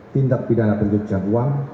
tindak pidana penjujuan uang